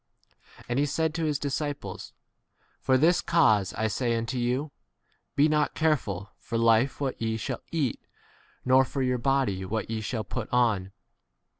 22 And he said to his disciples, For this cause I say unto you, Be not careful for 1 life what ye shall eat, nor for your body what ye shall 23 put on.